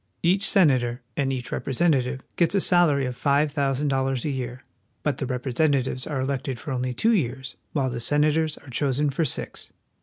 Each senator and each representative gets a salary of five thousand dollars a year; but the representatives are elected for only two years, while the senators are chosen for six.